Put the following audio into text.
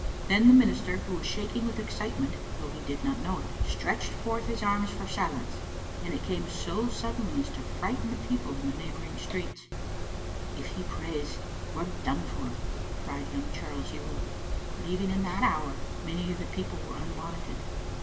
Then the minister, who was shaking with excitement, though he did not know it, stretched forth his arms for silence, and it came so suddenly as to frighten the peo ple in the neighboring streets. Digitized by VjOOQ IC u S TDlatUlie Cbaptct. 47 "If he prays we're done for," cried young Charles Yuill, but even in that hour many of the people were unbonneted.